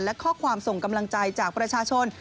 และข้อความส่งกำลังใจจากประชาชน